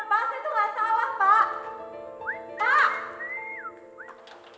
pas itu nggak salah pak